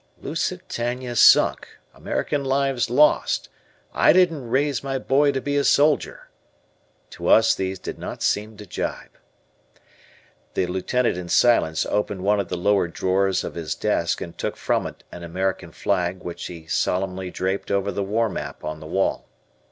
"Lusitania Sunk! American Lives Lost!" I DIDN'T RAISE MY BOY TO BE A SOLDIER. To us these did not seem to jibe. The Lieutenant in silence opened one of the lower drawers of his desk and took from it an American flag which he solemnly draped over the war map on the wall.